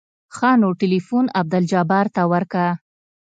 ښه نو ټېلفون عبدالجبار ته ورکه.